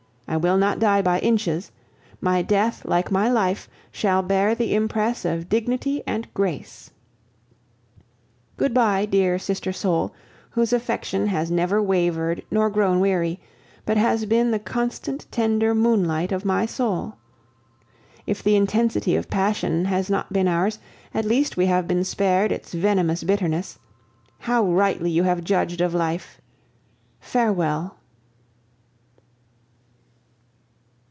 I will not die by inches; my death, like my life, shall bear the impress of dignity and grace. Good bye, dear sister soul, whose affection has never wavered nor grown weary, but has been the constant tender moonlight of my soul. If the intensity of passion has not been ours, at least we have been spared its venomous bitterness. How rightly you have judged of life! Farewell.